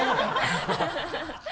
ハハハ